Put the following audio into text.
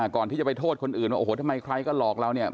ก่อนที่จะไปโทษคนอื่นว่าโอ้โหทำไมใครก็หลอกเราเนี่ย